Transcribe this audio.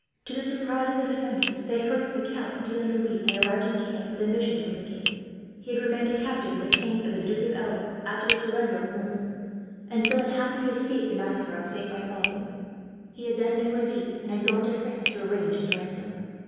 To the surprise of the defenders, they heard that the Count de la Noue had arrived in camp, with a mission from the king. He had remained a captive, in the camp of the Duke of Alva, after the surrender of Mons; and so had happily escaped the massacre of Saint Bartholomew. He had then been released, and had gone to France to arrange his ransom.